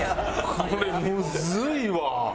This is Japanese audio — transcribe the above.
これむずいわ。